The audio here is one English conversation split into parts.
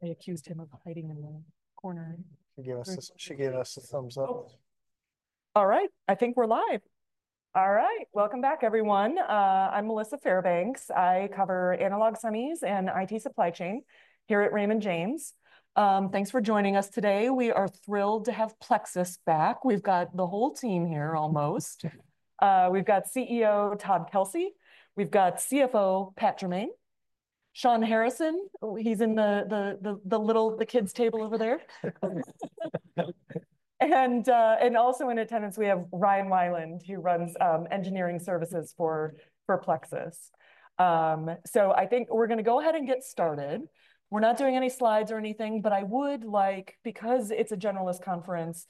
They accused him of hiding in a corner. She gave us a thumbs up. All right, I think we're live. All right, welcome back, everyone. I'm Melissa Fairbanks. I cover analog semis and IT supply chain here at Raymond James. Thanks for joining us today. We are thrilled to have Plexus back. We've got the whole team here almost. We've got CEO Todd Kelsey. We've got CFO Pat Jermain. Shawn Harrison, he's in the little kids' table over there. And also in attendance, we have Ryan Weiland, who runs engineering services for Plexus. So I think we're going to go ahead and get started. We're not doing any slides or anything, but I would like, because it's a generalist conference,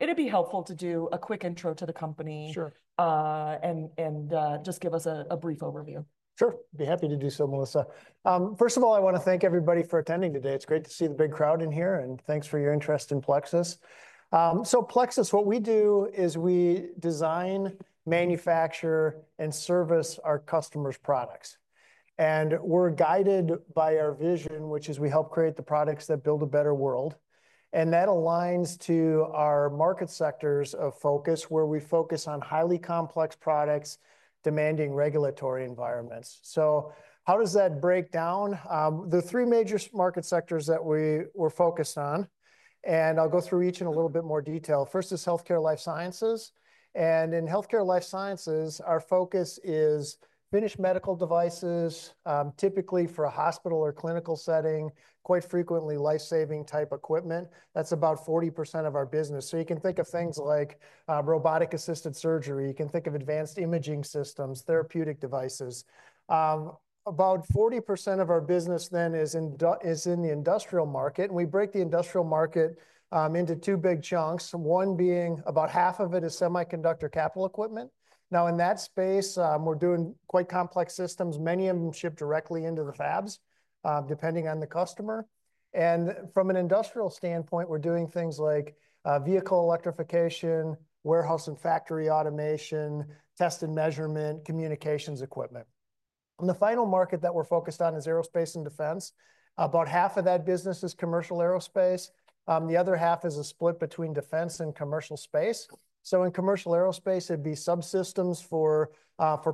it'd be helpful to do a quick intro to the company. Sure. And just give us a brief overview. Sure. I'd be happy to do so, Melissa. First of all, I want to thank everybody for attending today. It's great to see the big crowd in here, and thanks for your interest in Plexus, so Plexus, what we do is we design, manufacture, and service our customers' products, and we're guided by our vision, which is we help create the products that build a better world, and that aligns to our market sectors of focus, where we focus on highly complex products demanding regulatory environments. So how does that break down? The three major market sectors that we were focused on, and I'll go through each in a little bit more detail. First is Healthcare/Life Sciences, and in Healthcare/Life Sciences, our focus is finished medical devices, typically for a hospital or clinical setting, quite frequently life-saving type equipment. That's about 40% of our business. So you can think of things like robotic-assisted surgery. You can think of advanced imaging systems, therapeutic devices. About 40% of our business then is in the Industrial market. And we break the Industrial market into two big chunks, one being about half of it is Semiconductor Capital Equipment. Now, in that space, we're doing quite complex systems. Many of them ship directly into the fabs, depending on the customer. And from an Industrial standpoint, we're doing things like vehicle electrification, warehouse and factory automation, test and measurement, communications equipment. The final market that we're focused on is Aerospace and Defense. About half of that business is Commercial Aerospace. The other half is a split between Defense and Commercial Space. So in Commercial Aerospace, it'd be subsystems for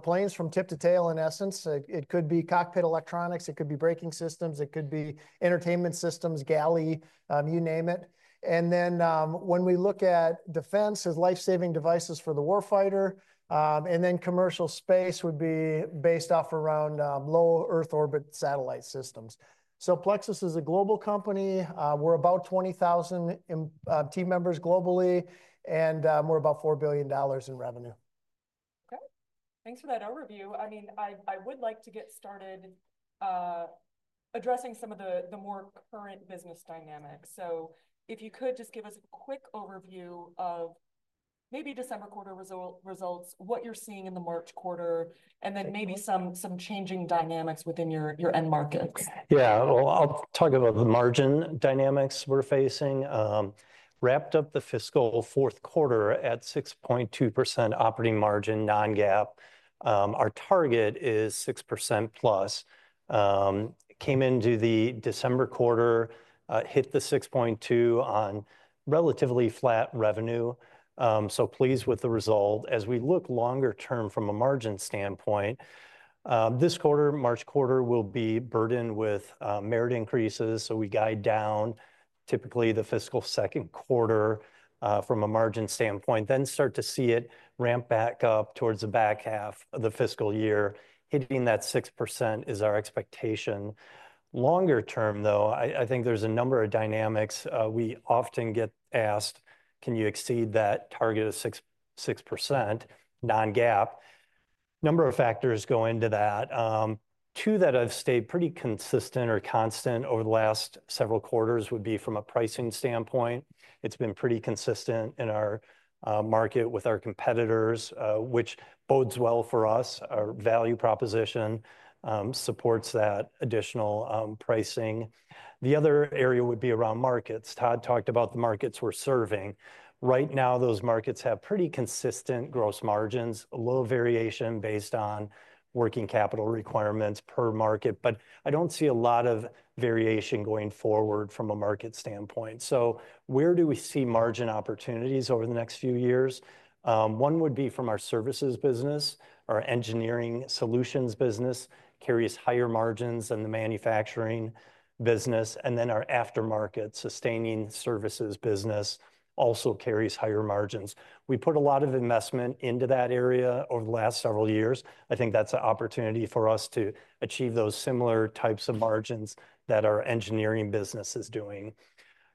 planes from tip to tail, in essence. It could be cockpit electronics. It could be braking systems. It could be entertainment systems, galley, you name it, and then when we look at Defense, it's life-saving devices for the warfighter, and then Commercial Space would be based off around Low Earth Orbit satellite systems, so Plexus is a global company. We're about 20,000 team members globally, and we're about $4 billion in revenue. Okay. Thanks for that overview. I mean, I would like to get started addressing some of the more current business dynamics. So if you could just give us a quick overview of maybe December quarter results, what you're seeing in the March quarter, and then maybe some changing dynamics within your end markets. Yeah, well, I'll talk about the margin dynamics we're facing. Wrapped up the fiscal fourth quarter at 6.2% operating margin, non-GAAP. Our target is 6% plus. Came into the December quarter, hit the 6.2% on relatively flat revenue. So pleased with the result. As we look longer term from a margin standpoint, this quarter, March quarter, will be burdened with merit increases. So we guide down typically the fiscal second quarter from a margin standpoint, then start to see it ramp back up towards the back half of the fiscal year. Hitting that 6% is our expectation. Longer term, though, I think there's a number of dynamics. We often get asked, can you exceed that target of 6%, non-GAAP? Number of factors go into that. Two that have stayed pretty consistent or constant over the last several quarters would be from a pricing standpoint. It's been pretty consistent in our market with our competitors, which bodes well for us. Our value proposition supports that additional pricing. The other area would be around markets. Todd talked about the markets we're serving. Right now, those markets have pretty consistent gross margins, low variation based on working capital requirements per market, but I don't see a lot of variation going forward from a market standpoint. So where do we see margin opportunities over the next few years? One would be from our services business. Our Engineering Solutions business carries higher margins than the manufacturing business. And then our aftermarket sustaining services business also carries higher margins. We put a lot of investment into that area over the last several years. I think that's an opportunity for us to achieve those similar types of margins that our engineering business is doing.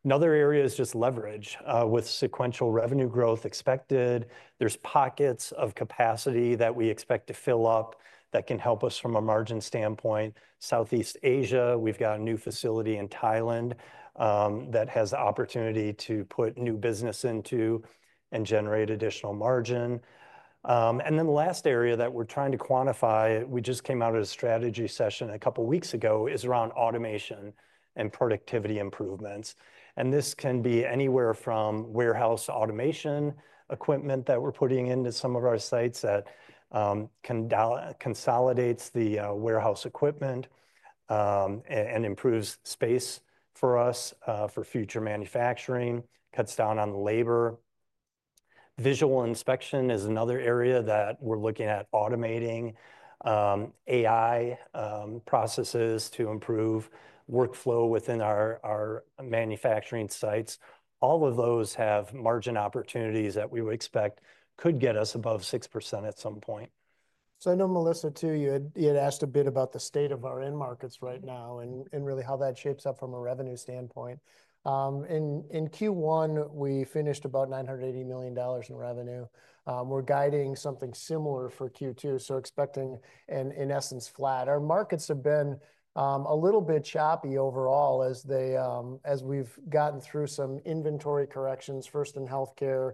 Another area is just leverage with sequential revenue growth expected. There's pockets of capacity that we expect to fill up that can help us from a margin standpoint. Southeast Asia, we've got a new facility in Thailand that has the opportunity to put new business into and generate additional margin. And then the last area that we're trying to quantify, we just came out of a strategy session a couple of weeks ago, is around automation and productivity improvements. And this can be anywhere from warehouse automation equipment that we're putting into some of our sites that consolidates the warehouse equipment and improves space for us for future manufacturing, cuts down on labor. Visual inspection is another area that we're looking at automating. AI processes to improve workflow within our manufacturing sites. All of those have margin opportunities that we would expect could get us above 6% at some point. I know, Melissa, too, you had asked a bit about the state of our end markets right now and really how that shapes up from a revenue standpoint. In Q1, we finished about $980 million in revenue. We're guiding something similar for Q2, so expecting, in essence, flat. Our markets have been a little bit choppy overall as we've gotten through some inventory corrections, first in healthcare,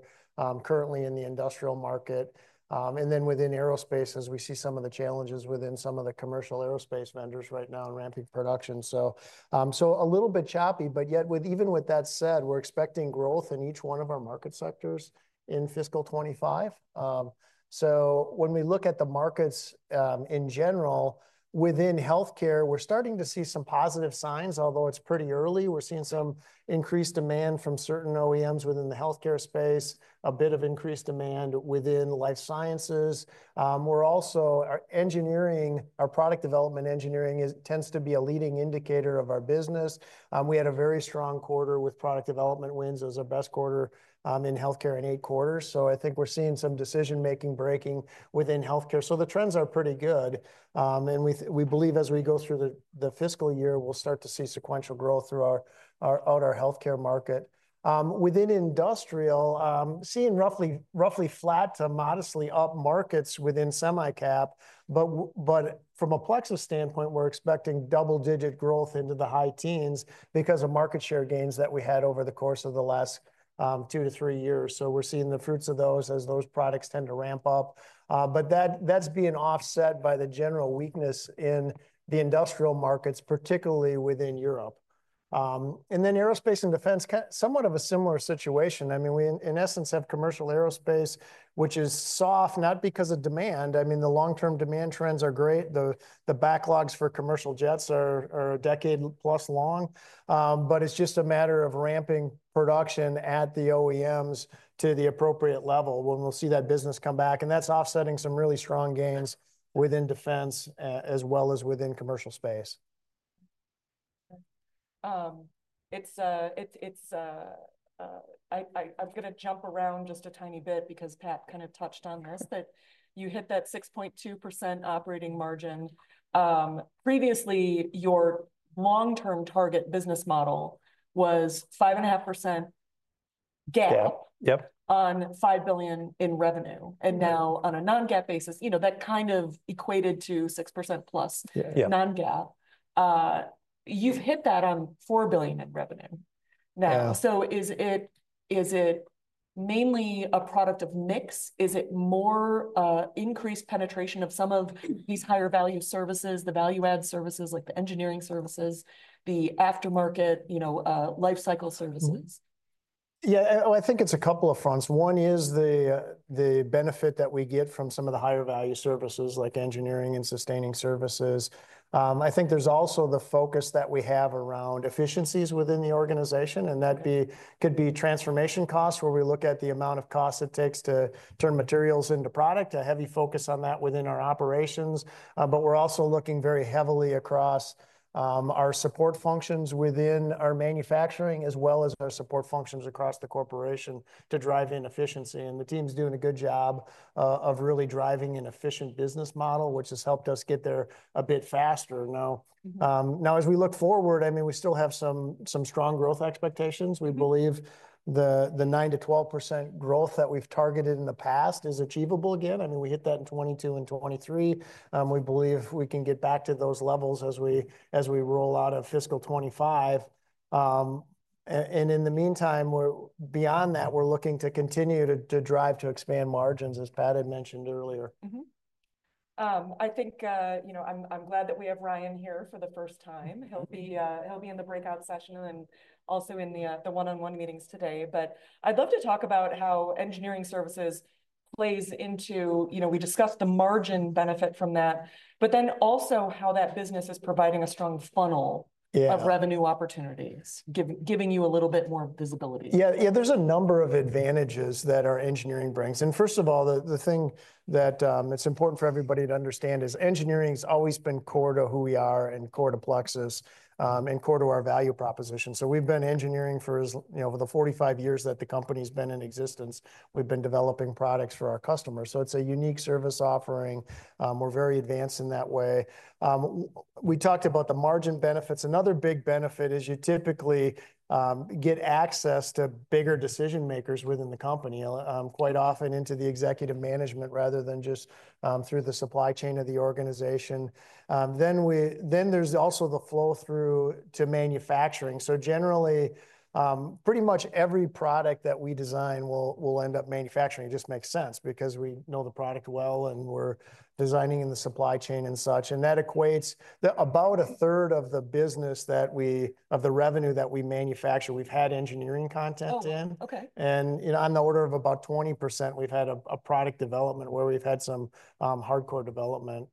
currently in the Industrial market. And then within aerospace, as we see some of the challenges within some of the Commercial Aerospace vendors right now in ramping production. So a little bit choppy, but yet even with that said, we're expecting growth in each one of our market sectors in fiscal 2025. So when we look at the markets in general, within healthcare, we're starting to see some positive signs, although it's pretty early. We're seeing some increased demand from certain OEMs within the healthcare space, a bit of increased demand within life sciences. We're also engineering, our product development engineering tends to be a leading indicator of our business. We had a very strong quarter with product development wins as our best quarter in healthcare in eight quarters, so I think we're seeing some decision-making breaking within healthcare, so the trends are pretty good, and we believe as we go through the fiscal year, we'll start to see sequential growth throughout our healthcare market. Within Industrial, seeing roughly flat to modestly up markets within SemiCap, but from a Plexus standpoint, we're expecting double-digit growth into the high teens because of market share gains that we had over the course of the last two to three years, so we're seeing the fruits of those as those products tend to ramp up. But that's being offset by the general weakness in the Industrial markets, particularly within Europe. And then Aerospace and Defense, somewhat of a similar situation. I mean, we in essence have Commercial Aerospace, which is soft, not because of demand. I mean, the long-term demand trends are great. The backlogs for commercial jets are a decade plus long. But it's just a matter of ramping production at the OEMs to the appropriate level when we'll see that business come back. And that's offsetting some really strong gains within Defense as well as within Commercial Space. I'm going to jump around just a tiny bit because Pat kind of touched on this, that you hit that 6.2% operating margin. Previously, your long-term target business model was 5.5% GAAP on $5 billion in revenue. And now on a non-GAAP basis, you know that kind of equated to 6% plus non-GAAP. You've hit that on $4 billion in revenue now. So is it mainly a product of mix? Is it more increased penetration of some of these higher value services, the value-add services like the engineering services, the aftermarket, you know, life cycle services? Yeah, I think it's a couple of fronts. One is the benefit that we get from some of the higher value services like engineering and sustaining services. I think there's also the focus that we have around efficiencies within the organization. And that could be transformation costs where we look at the amount of costs it takes to turn materials into product, a heavy focus on that within our operations. But we're also looking very heavily across our support functions within our manufacturing as well as our support functions across the corporation to drive in efficiency. And the team's doing a good job of really driving an efficient business model, which has helped us get there a bit faster. Now, as we look forward, I mean, we still have some strong growth expectations. We believe the 9%-12% growth that we've targeted in the past is achievable again. I mean, we hit that in 2022 and 2023. We believe we can get back to those levels as we roll out of fiscal 2025. And in the meantime, beyond that, we're looking to continue to drive to expand margins, as Pat had mentioned earlier. I think I'm glad that we have Ryan here for the first time. He'll be in the breakout session and also in the one-on-one meetings today. But I'd love to talk about how engineering services plays into, you know, we discussed the margin benefit from that, but then also how that business is providing a strong funnel of revenue opportunities, giving you a little bit more visibility. Yeah, yeah, there's a number of advantages that our engineering brings, and first of all, the thing that it's important for everybody to understand is engineering has always been core to who we are and core to Plexus and core to our value proposition, so we've been engineering for, you know, over the 45 years that the company's been in existence, we've been developing products for our customers, so it's a unique service offering. We're very advanced in that way. We talked about the margin benefits. Another big benefit is you typically get access to bigger decision makers within the company, quite often into the executive management rather than just through the supply chain of the organization, then there's also the flow through to manufacturing, so generally, pretty much every product that we design will end up manufacturing. It just makes sense because we know the product well and we're designing in the supply chain and such. And that equates to about a third of the business that we, of the revenue that we manufacture, we've had engineering content in. And on the order of about 20%, we've had a product development where we've had some hardcore development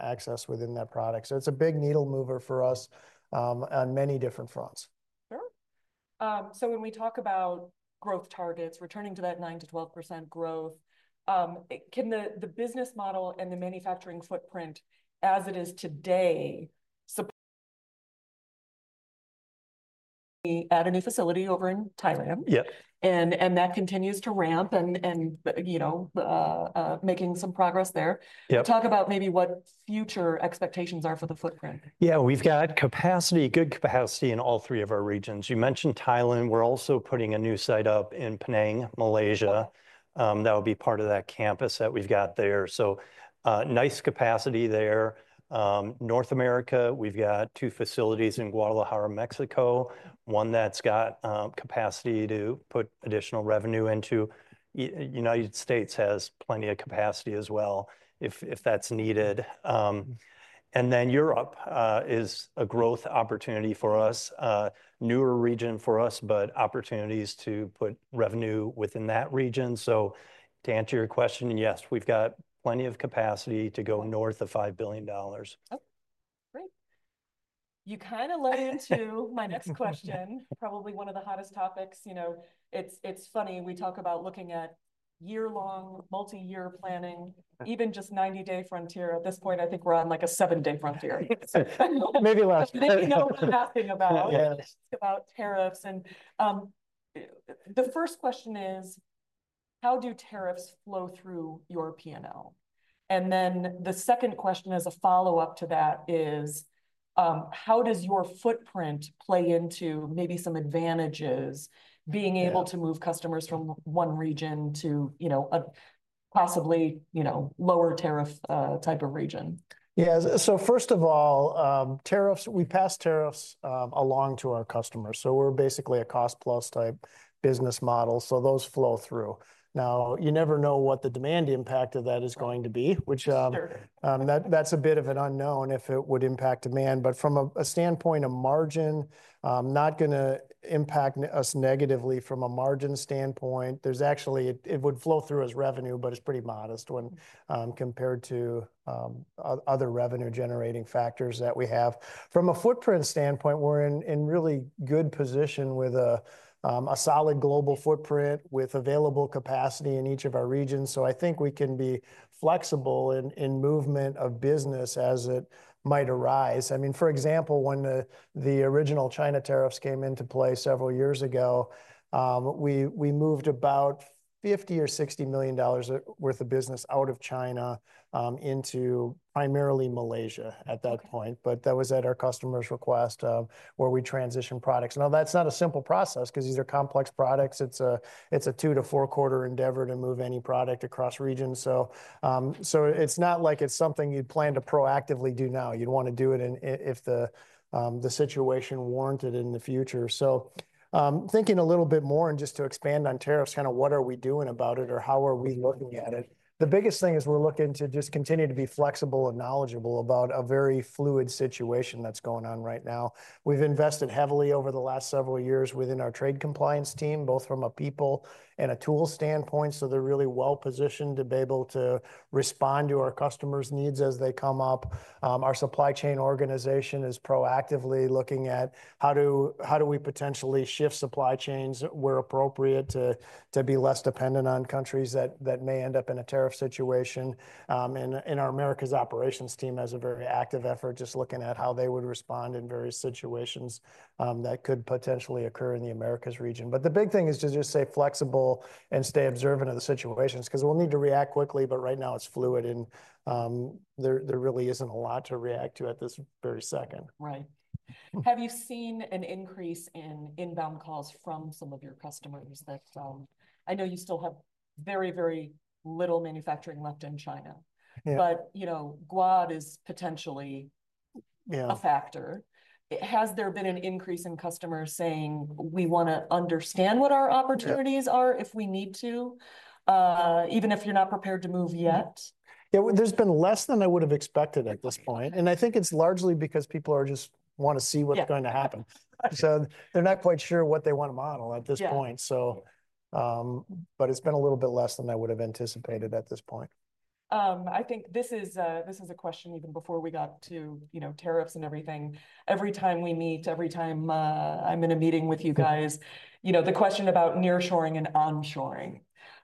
access within that product. So it's a big needle mover for us on many different fronts. Sure, so when we talk about growth targets, returning to that 9%-12% growth, can the business model and the manufacturing footprint as it is today add a new facility over in Thailand? Yep. That continues to ramp and, you know, making some progress there. Talk about maybe what future expectations are for the footprint. Yeah, we've got capacity, good capacity in all three of our regions. You mentioned Thailand. We're also putting a new site up in Penang, Malaysia. That would be part of that campus that we've got there. So nice capacity there. North America, we've got two facilities in Guadalajara, Mexico. One that's got capacity to put additional revenue into. The United States has plenty of capacity as well if that's needed. And then Europe is a growth opportunity for us, newer region for us, but opportunities to put revenue within that region. So to answer your question, yes, we've got plenty of capacity to go north of $5 billion. Great. You kind of led into my next question, probably one of the hottest topics. You know, it's funny, we talk about looking at year-long, multi-year planning, even just 90-day frontier. At this point, I think we're on like a seven-day frontier. Maybe last year. Maybe not what I'm asking about. It's about tariffs. And the first question is, how do tariffs flow through your P&L? And then the second question as a follow-up to that is, how does your footprint play into maybe some advantages being able to move customers from one region to, you know, a possibly, you know, lower tariff type of region? Yeah, so first of all, tariffs. We pass tariffs along to our customers. So we're basically a cost-plus type business model. So those flow through. Now, you never know what the demand impact of that is going to be, which that's a bit of an unknown if it would impact demand. But from a standpoint of margin, not going to impact us negatively from a margin standpoint. There's actually, it would flow through as revenue, but it's pretty modest when compared to other revenue-generating factors that we have. From a footprint standpoint, we're in really good position with a solid global footprint with available capacity in each of our regions. So I think we can be flexible in movement of business as it might arise. I mean, for example, when the original China tariffs came into play several years ago, we moved about $50 million or $60 million worth of business out of China into primarily Malaysia at that point. But that was at our customer's request where we transitioned products. Now, that's not a simple process because these are complex products. It's a two to four quarter endeavor to move any product across regions. So it's not like it's something you'd plan to proactively do now. You'd want to do it if the situation warranted it in the future. So thinking a little bit more and just to expand on tariffs, kind of what are we doing about it or how are we looking at it? The biggest thing is we're looking to just continue to be flexible and knowledgeable about a very fluid situation that's going on right now. We've invested heavily over the last several years within our trade compliance team, both from a people and a tools standpoint. So they're really well positioned to be able to respond to our customers' needs as they come up. Our supply chain organization is proactively looking at how do we potentially shift supply chains where appropriate to be less dependent on countries that may end up in a tariff situation. And our Americas operations team has a very active effort just looking at how they would respond in various situations that could potentially occur in the Americas region. But the big thing is to just stay flexible and stay observant of the situations because we'll need to react quickly, but right now it's fluid and there really isn't a lot to react to at this very second. Right. Have you seen an increase in inbound calls from some of your customers that I know you still have very, very little manufacturing left in China? But, you know, Guadalajara is potentially a factor. Has there been an increase in customers saying, "We want to understand what our opportunities are if we need to," even if you're not prepared to move yet? Yeah, there's been less than I would have expected at this point. And I think it's largely because people just want to see what's going to happen. So they're not quite sure what they want to model at this point. But it's been a little bit less than I would have anticipated at this point. I think this is a question even before we got to, you know, tariffs and everything. Every time we meet, every time I'm in a meeting with you guys, you know, the question about nearshoring and onshoring.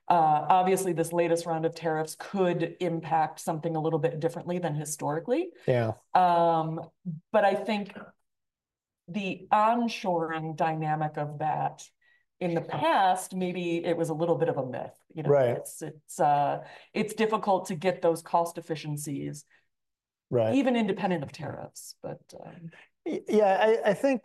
Obviously, this latest round of tariffs could impact something a little bit differently than historically. Yeah, but I think the onshoring dynamic of that in the past, maybe it was a little bit of a myth. It's difficult to get those cost efficiencies, even independent of tariffs. Yeah, I think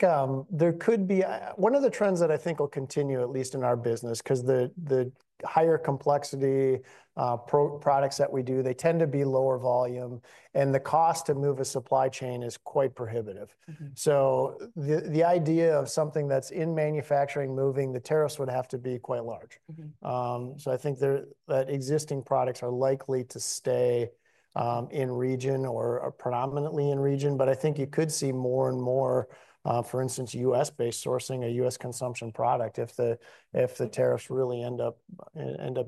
there could be one of the trends that I think will continue, at least in our business, because the higher complexity products that we do, they tend to be lower volume. And the cost to move a supply chain is quite prohibitive. So the idea of something that's in manufacturing moving, the tariffs would have to be quite large. So I think that existing products are likely to stay in region or predominantly in region. But I think you could see more and more, for instance, U.S.-based sourcing, a U.S. consumption product if the tariffs really end up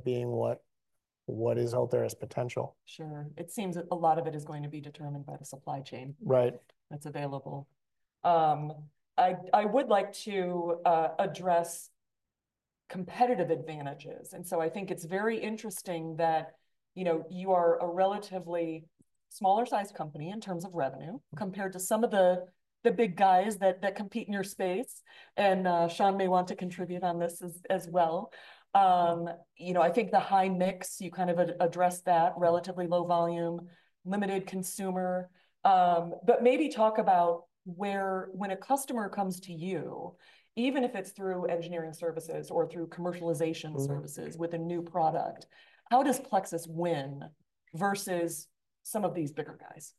being what is out there as potential. Sure. It seems a lot of it is going to be determined by the supply chain that's available. I would like to address competitive advantages. And so I think it's very interesting that, you know, you are a relatively smaller-sized company in terms of revenue compared to some of the big guys that compete in your space. And Shawn may want to contribute on this as well. You know, I think the high mix, you kind of addressed that, relatively low volume, limited consumer. But maybe talk about where, when a customer comes to you, even if it's through engineering services or through commercialization services with a new product, how does Plexus win versus some of these bigger guys?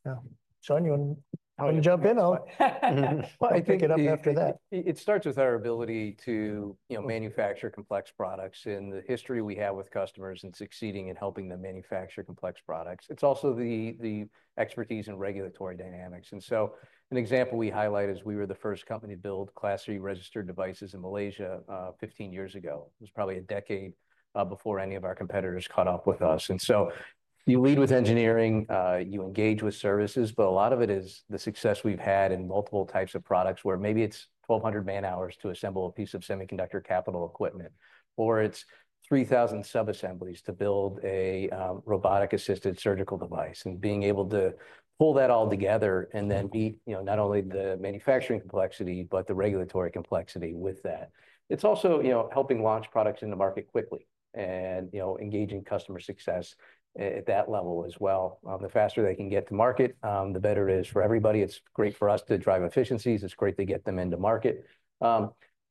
Shawn, you want to jump in? I'll pick it up after that. It starts with our ability to manufacture complex products and the history we have with customers and succeeding in helping them manufacture complex products. It's also the expertise and regulatory dynamics. And so an example we highlight is we were the first company to build Class C registered devices in Malaysia 15 years ago. It was probably a decade before any of our competitors caught up with us. And so you lead with engineering, you engage with services, but a lot of it is the success we've had in multiple types of products where maybe it's 1,200 man-hours to assemble a piece of semiconductor capital equipment, or it's 3,000 sub-assemblies to build a robotic-assisted surgical device. And being able to pull that all together and then meet, you know, not only the manufacturing complexity, but the regulatory complexity with that. It's also, you know, helping launch products in the market quickly and, you know, engaging customer success at that level as well. The faster they can get to market, the better it is for everybody. It's great for us to drive efficiencies. It's great to get them into market. We're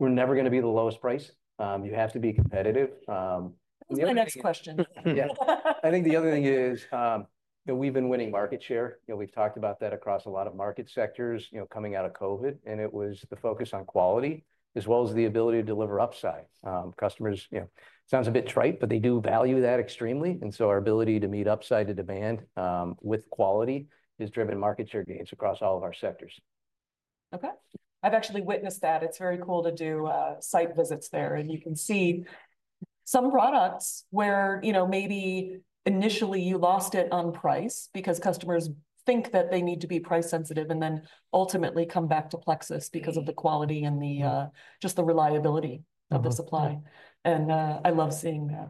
never going to be the lowest price. You have to be competitive. This is the next question. Yeah. I think the other thing is, you know, we've been winning market share. You know, we've talked about that across a lot of market sectors, you know, coming out of COVID. And it was the focus on quality as well as the ability to deliver upside. Customers, you know, sounds a bit trite, but they do value that extremely. And so our ability to meet upside to demand with quality has driven market share gains across all of our sectors. Okay. I've actually witnessed that. It's very cool to do site visits there. And you can see some products where, you know, maybe initially you lost it on price because customers think that they need to be price-sensitive and then ultimately come back to Plexus because of the quality and just the reliability of the supply. And I love seeing that.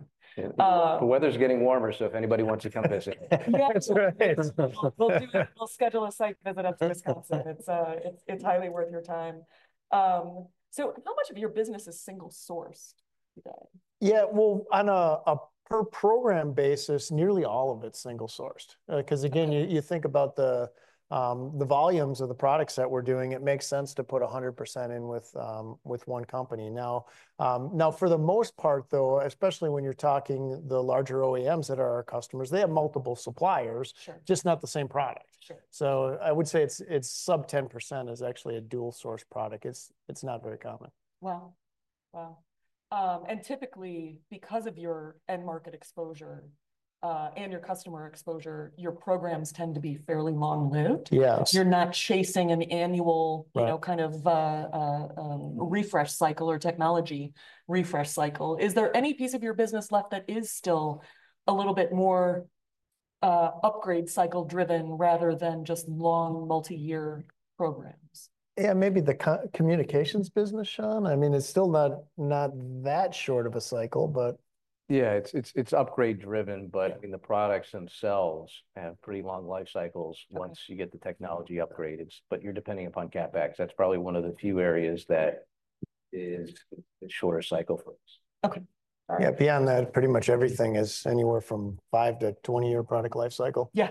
The weather's getting warmer, so if anybody wants to come visit. Yeah, that's right. We'll schedule a site visit up to Wisconsin. It's highly worth your time. So how much of your business is single-sourced today? Yeah, well, on a per-program basis, nearly all of it's single-sourced. Because again, you think about the volumes of the products that we're doing, it makes sense to put 100% in with one company. Now, for the most part, though, especially when you're talking the larger OEMs that are our customers, they have multiple suppliers, just not the same product. So I would say it's sub 10% is actually a dual-source product. It's not very common. Wow. Wow, and typically, because of your end market exposure and your customer exposure, your programs tend to be fairly long-lived. You're not chasing an annual kind of refresh cycle or technology refresh cycle. Is there any piece of your business left that is still a little bit more upgrade cycle-driven rather than just long multi-year programs? Yeah, maybe the communications business, Shawn. I mean, it's still not that short of a cycle, but. Yeah, it's upgrade-driven, but I mean, the products themselves have pretty long life cycles once you get the technology upgraded. But you're depending upon CapEx. That's probably one of the few areas that is a shorter cycle for us. Yeah, beyond that, pretty much everything is anywhere from five to 20-year product life cycle. Yeah.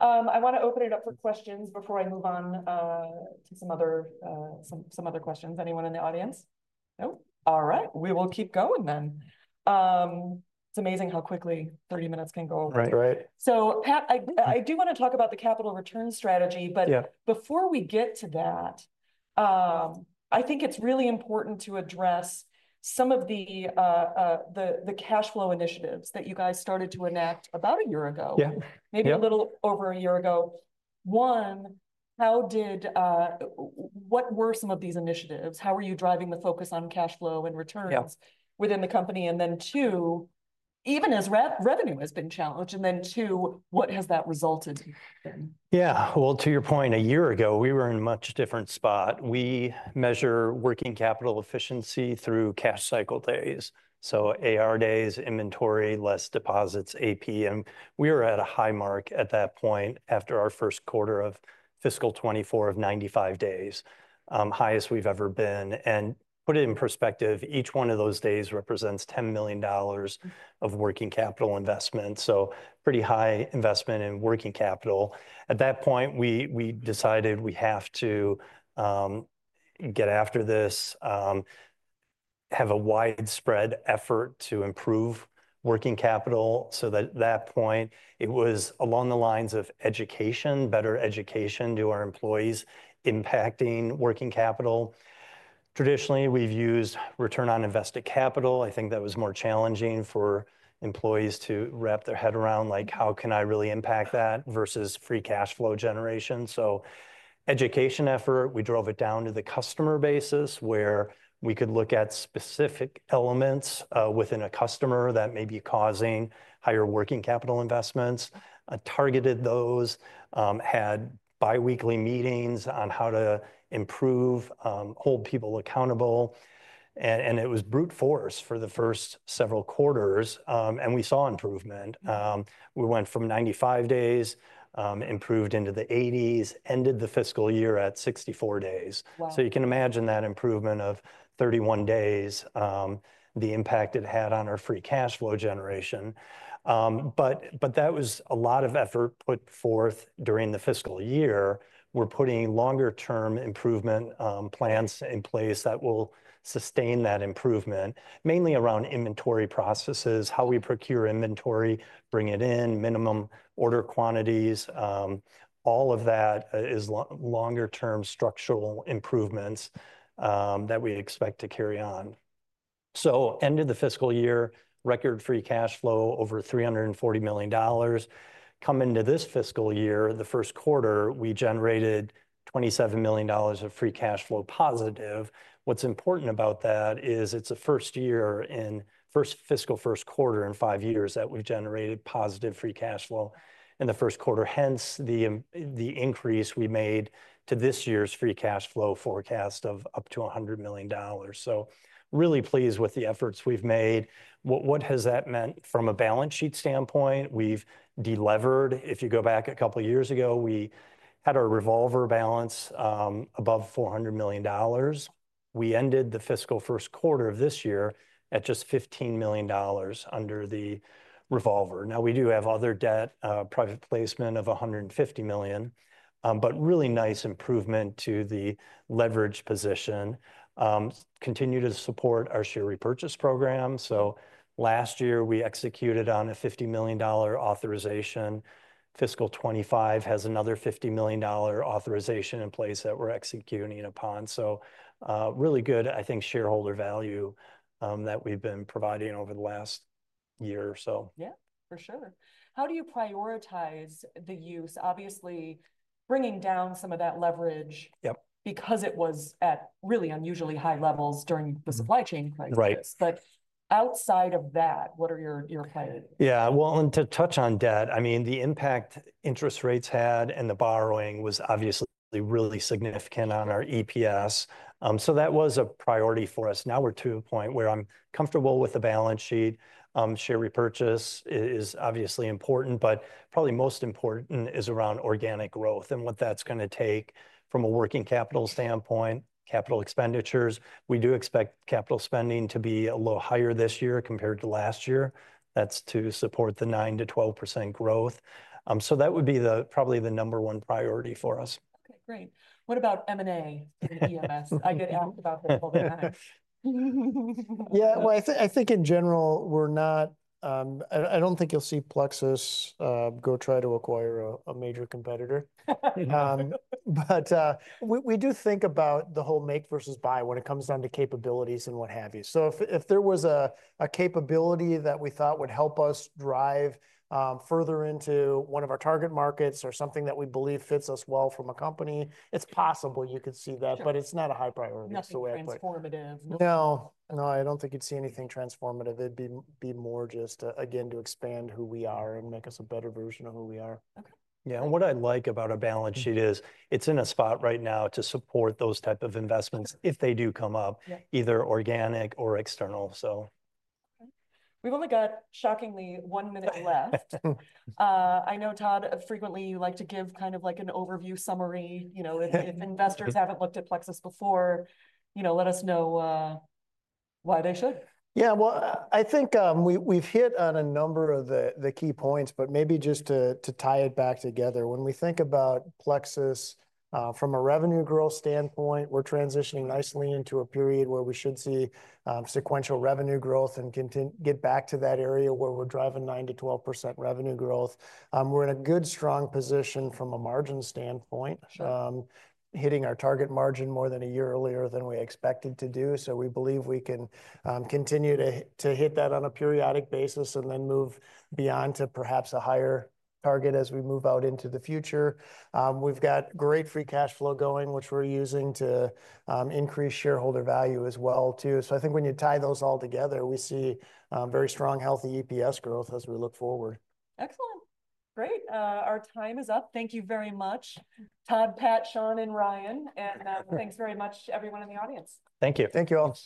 I want to open it up for questions before I move on to some other questions. Anyone in the audience? No? All right. We will keep going then. It's amazing how quickly 30 minutes can go over. So Pat, I do want to talk about the capital return strategy, but before we get to that, I think it's really important to address some of the cash flow initiatives that you guys started to enact about a year ago, maybe a little over a year ago. One, what were some of these initiatives? How are you driving the focus on cash flow and returns within the company? And then two, even as revenue has been challenged, and then two, what has that resulted in? Yeah, well, to your point, a year ago, we were in a much different spot. We measure working capital efficiency through cash cycle days. So AR days, inventory, less deposits, AP. We were at a high mark at that point after our first quarter of fiscal 2024 of 95 days, highest we've ever been. And put it in perspective, each one of those days represents $10 million of working capital investment. So pretty high investment in working capital. At that point, we decided we have to get after this, have a widespread effort to improve working capital. So at that point, it was along the lines of education, better education to our employees impacting working capital. Traditionally, we've used return on invested capital. I think that was more challenging for employees to wrap their head around, like, how can I really impact that versus free cash flow generation? So, education effort, we drove it down to the customer basis where we could look at specific elements within a customer that may be causing higher working capital investments, targeted those, had biweekly meetings on how to improve, hold people accountable. And it was brute force for the first several quarters. And we saw improvement. We went from 95 days, improved into the 80s, ended the fiscal year at 64 days. So you can imagine that improvement of 31 days, the impact it had on our free cash flow generation. But that was a lot of effort put forth during the fiscal year. We're putting longer-term improvement plans in place that will sustain that improvement, mainly around inventory processes, how we procure inventory, bring it in, minimum order quantities. All of that is longer-term structural improvements that we expect to carry on. End of the fiscal year, record free cash flow over $340 million. Coming into this fiscal year, the first quarter, we generated $27 million of free cash flow positive. What's important about that is it's a first year in fiscal first quarter in five years that we've generated positive free cash flow in the first quarter. Hence, the increase we made to this year's free cash flow forecast of up to $100 million. Really pleased with the efforts we've made. What has that meant from a balance sheet standpoint? We've delevered. If you go back a couple of years ago, we had our revolver balance above $400 million. We ended the fiscal first quarter of this year at just $15 million under the revolver. Now, we do have other debt, private placement of $150 million, but really nice improvement to the leverage position. Continue to support our share repurchase program. So last year, we executed on a $50 million authorization. Fiscal 2025 has another $50 million authorization in place that we're executing upon. So really good, I think, shareholder value that we've been providing over the last year or so. Yeah, for sure. How do you prioritize the use, obviously bringing down some of that leverage because it was at really unusually high levels during the supply chain crisis? But outside of that, what are your priorities? Yeah, well, and to touch on debt, I mean, the impact interest rates had and the borrowing was obviously really significant on our EPS. So that was a priority for us. Now we're to a point where I'm comfortable with the balance sheet. Share repurchase is obviously important, but probably most important is around organic growth and what that's going to take from a working capital standpoint, capital expenditures. We do expect capital spending to be a little higher this year compared to last year. That's to support the 9%-12% growth. So that would be probably the number one priority for us. Okay, great. What about M&A and EMS? I get asked about this all the time. Yeah, well, I think in general, we're not. I don't think you'll see Plexus go try to acquire a major competitor. But we do think about the whole make versus buy when it comes down to capabilities and what have you. So if there was a capability that we thought would help us drive further into one of our target markets or something that we believe fits us well from a company, it's possible you could see that, but it's not a high priority. Not so transformative. No, no, I don't think you'd see anything transformative. It'd be more just, again, to expand who we are and make us a better version of who we are. Yeah, and what I like about a balance sheet is it's in a spot right now to support those types of investments if they do come up, either organic or external, so. We've only got shockingly one minute left. I know, Todd, frequently you like to give kind of like an overview summary. If investors haven't looked at Plexus before, you know, let us know why they should. Yeah, well, I think we've hit on a number of the key points, but maybe just to tie it back together. When we think about Plexus from a revenue growth standpoint, we're transitioning nicely into a period where we should see sequential revenue growth and get back to that area where we're driving 9%-12% revenue growth. We're in a good, strong position from a margin standpoint, hitting our target margin more than a year earlier than we expected to do. So we believe we can continue to hit that on a periodic basis and then move beyond to perhaps a higher target as we move out into the future. We've got great free cash flow going, which we're using to increase shareholder value as well, too. So I think when you tie those all together, we see very strong, healthy EPS growth as we look forward. Excellent. Great. Our time is up. Thank you very much, Todd, Pat, Shawn, and Ryan. And thanks very much, everyone in the audience. Thank you. Thank you all.